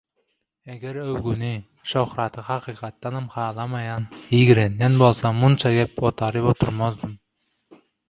eger öwgüni, şöhraty hakykatdanam halamaýan, ýigrenýän bolsam munça gep otaryp oturmazdym.